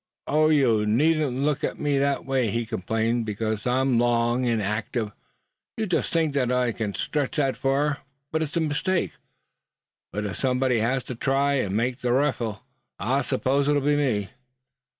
"Oh! you needn't look at me that way," he complained; "because I'm long, and active, you just think I c'n stretch that far; but it's a mistake. But if somebody has to try and make the riffle, I s'pose it'll be me."